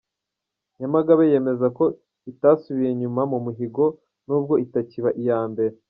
Nyamagabe yemeza ko itasubiye inyuma mu mihigo n’ubwo itakiba iya mbere